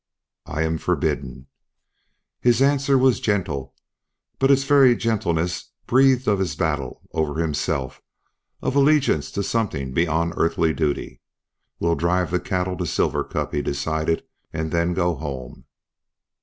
"I am forbidden." His answer was gentle, but its very gentleness breathed of his battle over himself, of allegiance to something beyond earthly duty. "We'll drive the cattle to Silver Cup," he decided, "and then go home.